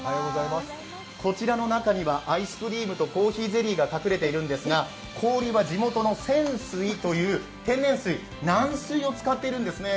こちらの中にはアイスクリームとコーヒーゼリーが隠れているんですが、氷は地元の仙水という天然水、軟水を使ってるんですね。